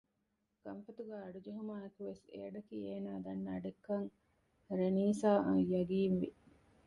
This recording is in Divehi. ކަންފަތުގައި އަޑު ޖެހުމާއިއެކު ވެސް އެއަޑަކީ އޭނާ ދަންނަ އަޑެއްކަން ރެނީސާއަށް ޔަގީންވި